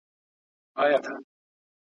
ماشوم په وېښتانو کې د دښتې ګردونه لیدل.